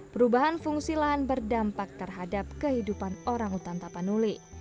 perubahan fungsi lahan berdampak terhadap kehidupan orang utan tapanuli